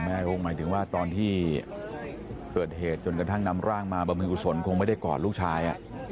คงหมายถึงว่าตอนที่เกิดเหตุจนกระทั่งนำร่างมาบริเวณกุศลคงไม่ได้กอดลูกชาย